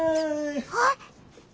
あっ！